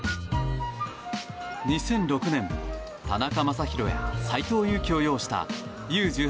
２００６年田中将大や斎藤佑樹を擁したＵ‐１８